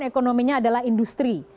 dan ekonominya adalah industri